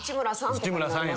内村さん。